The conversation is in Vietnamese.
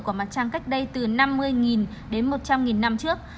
của mặt trăng cách đây từ năm mươi đến một trăm linh năm trước